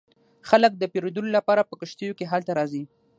خلک د پیرودلو لپاره په کښتیو کې هلته راځي